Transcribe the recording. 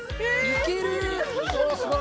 いける！